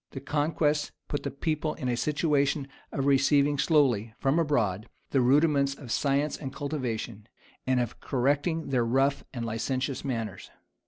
[] The conquest put the people in a situation of receiving slowly, from abroad, the rudiments of science and cultivation, and of correcting their rough and licentious manners.